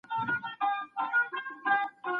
موږ په پوهي بري مومو